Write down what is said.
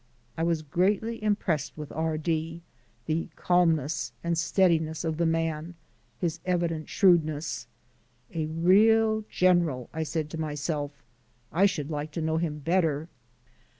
I was greatly impressed with R D , the calmness and steadiness of the man, his evident shrewdness. "A real general," I said to myself. "I should like to know him better."